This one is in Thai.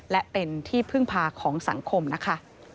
และเป็นที่พึ่งพาของสังคมนะคะ